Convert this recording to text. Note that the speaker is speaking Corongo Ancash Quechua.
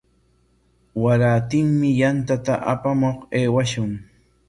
Warantinmi yantata apamuq aywashun.